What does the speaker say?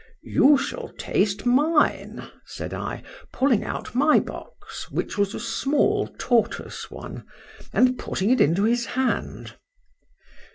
—You shall taste mine—said I, pulling out my box (which was a small tortoise one) and putting it into his hand.